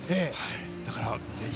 だから、ぜひ。